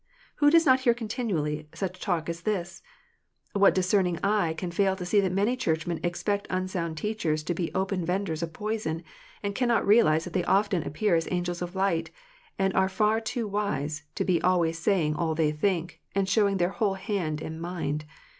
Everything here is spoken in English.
Who does not hear continually such talk as this ? What discerning eye can fail to see that many Churchmen expect unsound teachers to be open vendors of poison, and cannot realize that they often appear as "angels of light," and are far too wise to be always saying all they think, and showing their whole hand and mind.